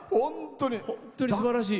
本当にすばらしい。